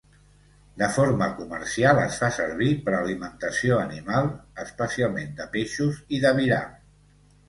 De forma comercial es fa servir per alimentació animal especialment de peixos i d'aviram.